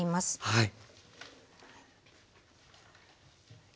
はい。